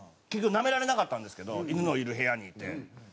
結局なめられなかったんですけど犬のいる部屋にいて。